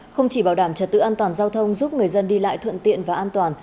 không chỉ bảo đảm trật tự an toàn giao thông giúp người dân đi lại thuận tiện và an toàn